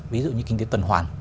ví dụ như kinh tế tuần hoàn